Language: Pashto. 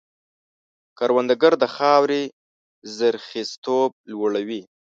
کروندګر د خاورې زرخېزتوب لوړوي